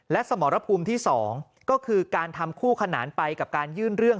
และสมรภูมิที่๒ก็คือการทำคู่ขนานไปกับการยื่นเรื่อง